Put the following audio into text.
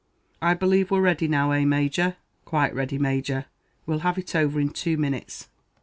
"I believe we're ready now eh, Major?" "Quite ready, Major. We'll have it over in two minutes."